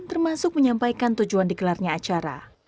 termasuk menyampaikan tujuan digelarnya acara